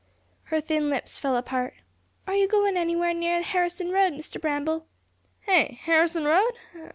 Her thin lips fell apart. "Are you going anywhere near Harrison road, Mr. Bramble?" "Hey Harrison road?